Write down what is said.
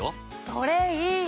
それいい！